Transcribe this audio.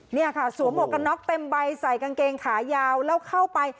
นี่ค่ะสวมหวกกันน็อกเต็มใบใส่กางเกงขายาวแล้วเข้าไป